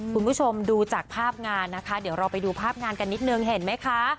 คุณผู้ชมดูจากภาพงานนะคะเดี๋ยวเราไปดูภาพงานกันนิดนึงเห็นไหมคะ